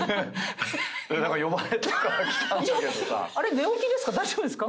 寝起きですか？